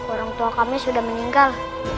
orang tua kami sudah meninggal